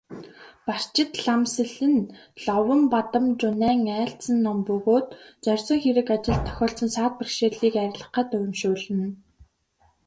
Барчидламсэл нь Ловонбадамжунайн айлдсан ном бөгөөд зорьсон хэрэг ажилд тохиолдсон саад бэрхшээлийг арилгахад уншуулна.